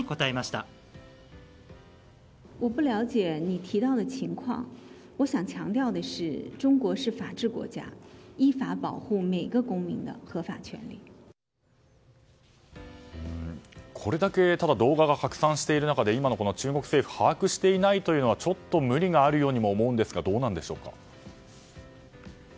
ただ、これだけ動画が拡散している中で今のこの、中国政府把握していないというのはちょっと無理があるようにも思うんですが、どうなんでしょう。